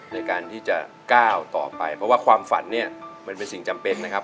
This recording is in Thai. ในการที่จะก้าวต่อไปเพราะว่าความฝันเนี่ยมันเป็นสิ่งจำเป็นนะครับ